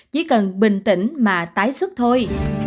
chỉ cần bình tĩnh mà tái xuất thôi